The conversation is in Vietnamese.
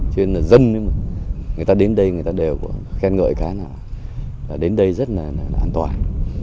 cho nên là dân người ta đến đây người ta đều khen ngợi khá là đến đây rất là an toàn